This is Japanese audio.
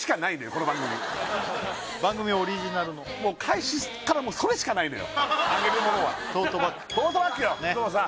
この番組番組オリジナルのもう開始からそれしかないのよあげるものはトートバッグトートバッグよ工藤さん